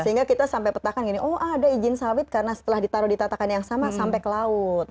sehingga kita sampai petakan gini oh ada izin sawit karena setelah ditaruh di tatakan yang sama sampai ke laut